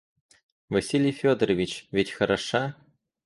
Василий Федорович, ведь хороша?